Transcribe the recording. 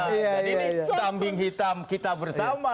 dan ini kambing hitam kita bersama